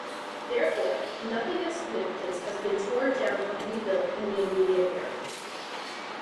Therefore, nothing of significance has been torn down or rebuilt in the immediate area.